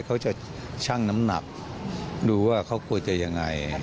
เขาจะช่างน้ำหนับดูว่าเขากลัวจะอย่างไร